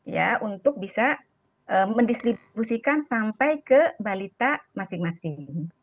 ya untuk bisa mendistribusikan sampai ke balita masing masing